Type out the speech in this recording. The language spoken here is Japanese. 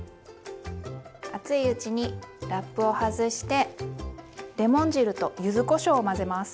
熱いうちにラップを外してレモン汁とゆずこしょうを混ぜます。